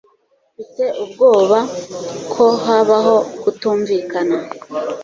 Mfite ubwoba ko habaho kutumvikana.